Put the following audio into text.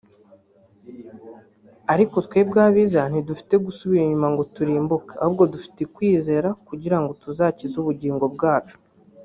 Ariko twebweho abizera ntidufite gusubira inyuma ngo turimbuke ahubwo dufite kwizera kugira ngo tuzakize ubugingo bwacu